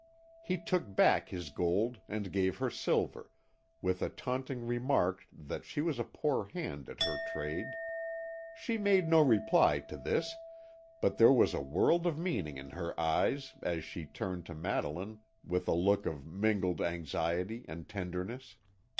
He took back his gold and gave her silver, with a taunting remark that she was a poor hand at her trade. She made no reply to this, but there was a world of meaning in her eyes as she turned to Madeline with a look of mingled anxiety and tenderness.